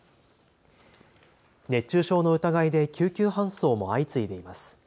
熱中症の疑いで救急搬送も相次いでいます。